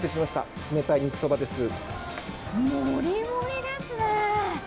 盛り盛りですね！